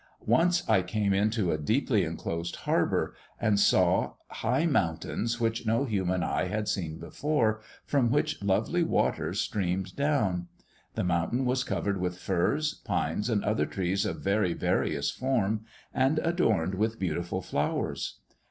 Once I came into a deeply enclosed harbour, and saw high mountains which no human eye had seen before, from which lovely waters streamed down. The mountain was covered with firs, pines, and other trees of very various form, and adorned with beautiful flowers.